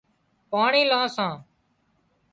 پاڻي لان سان